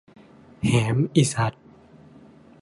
แหมอิสัส